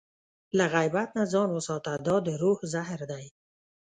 له غیبت نه ځان وساته، دا د روح زهر دی.